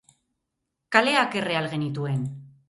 Kaleak erre al genituen?